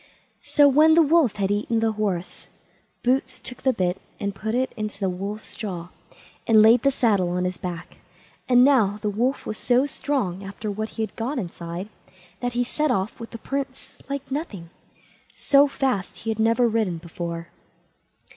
So when the wolf had eaten the horse, Boots took the bit and put it into the wolf's jaw, and laid the saddle on his back; and now the wolf was so strong, after what he had got inside, that he set off with the Prince like nothing. So fast he had never ridden before.